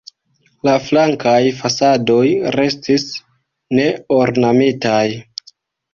La flankaj fasadoj restis neornamitaj.